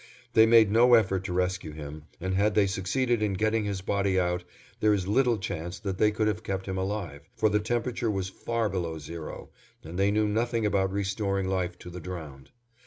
They made no effort to rescue him, and had they succeeded in getting his body out, there is little chance that they could have kept him alive, for the temperature was far below zero, and they knew nothing about restoring life to the drowned.